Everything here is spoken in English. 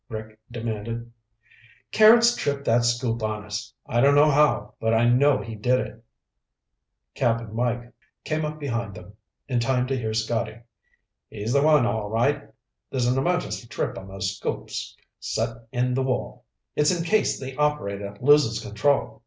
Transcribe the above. Rick demanded. "Carrots tripped that scoop on us. I don't know how, but I know he did it." Cap'n Mike came up behind them in time to hear Scotty. "He's the one, all right. There's an emergency trip on those scoops, set in the wall. It's in case the operator loses control.